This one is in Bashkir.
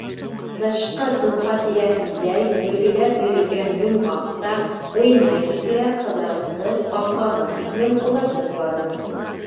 Тышҡы тупһа тирәһендә йүгергеләп йөрөгән Йомғаҡ та, уйнай-һикерә, Ҡыҙырасты ҡапҡаға тиклем оҙатып барҙы.